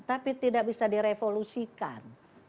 tapi tidak bisa direvolusikan